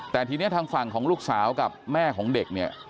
แต่ทีนี้ทางฝั่งของลูกสาวกับแม่ของเด็กเนี่ย